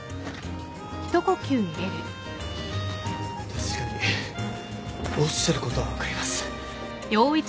確かにおっしゃることは分かります。